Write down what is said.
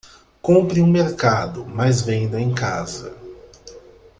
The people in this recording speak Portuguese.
Compre em um mercado, mas venda em casa.